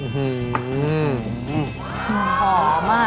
หอมอ่ะ